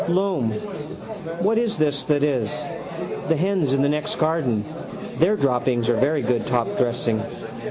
Loam, what is this that is? The hens in the next garden: their droppings are very good top dressing.